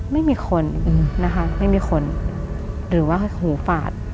ไม่มีคนนะคะไม่มีคนหรือว่าหูฝาด